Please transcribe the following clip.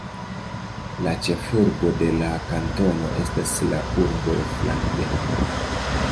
La ĉefurbo de la kantono estas la urbo Franklin.